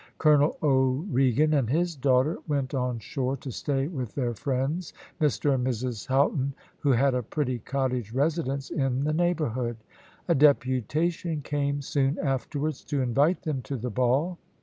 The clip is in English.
Colonel O'Regan and his daughter went on shore to stay with their friends, Mr and Mrs Houghton, who had a pretty cottage residence in the neighbourhood. A deputation came soon afterwards to invite them to the ball.